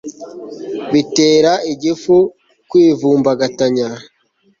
bitera igifu kwivumbagatanya